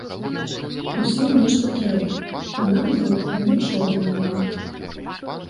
Усім нешта трэба, а нам з гэтага нічога няма.